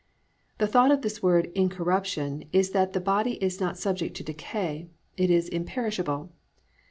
"+ The thought of this word "incorruption" is that the body is not subject to decay, it is imperishable.